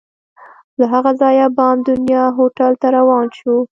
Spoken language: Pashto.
له هغه ځایه بام دنیا هوټل ته روان شوو.